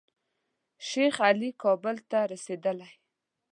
شیخ علي کابل ته رسېدلی.